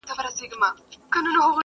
فرنګ به تر اورنګه پوري پل په وینو یوسي-